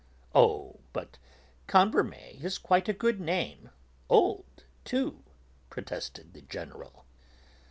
"Oh, but Cambremer is quite a good name; old, too," protested the General.